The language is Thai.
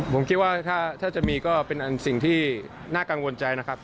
ผมคิดว่าถ้าจะมีก็เป็นสิ่งที่น่ากังวลใจนะครับ